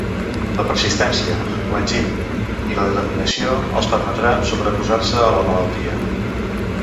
La persistència, l’enginy i la determinació els permetran sobreposar-se a la malaltia.